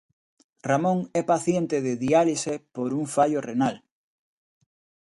Ramón é paciente de diálise por un fallo renal.